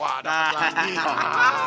wah ada lagi pak